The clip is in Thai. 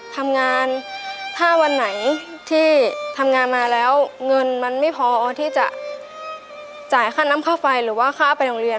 ทำงานถ้าวันไหนที่ทำงานมาแล้วเงินมันไม่พอที่จะจ่ายค่าน้ำค่าไฟหรือว่าค่าไปโรงเรียน